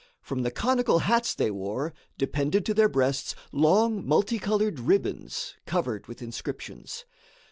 From the conical hats they wore, depended to their breasts long multicolored ribbons, covered with inscriptions.